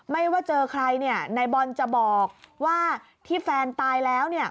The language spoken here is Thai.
ไม่ว่าเจอใครนายบอลจะบอกว่าที่แฟนตายแล้ว